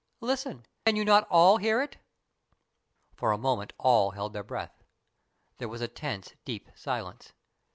Listen ! Can you not all hear it ?" For a moment all held their breath. There was a tense, deep silence.